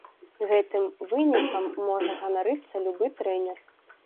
Гэтым вынікам можа ганарыцца любы трэнер.